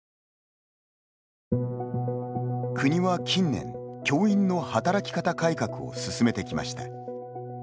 国は近年、教員の働き方改革を進めてきました。